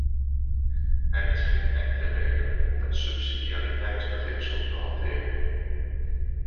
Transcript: Er is geen enkele reden om het subsidiariteitsbeginsel te hanteren.